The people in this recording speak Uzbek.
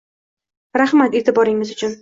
Rahmat e’tiboringiz uchun.